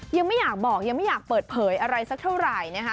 ยังไม่อยากบอกยังไม่อยากเปิดเผยอะไรสักเท่าไหร่นะคะ